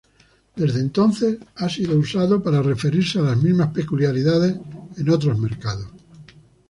Desde entonces ha sido usado para referirse a las mismas peculiaridades en otros mercados.